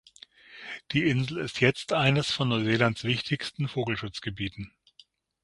Die Insel ist jetzt eines von Neuseelands wichtigsten Vogelschutzgebieten.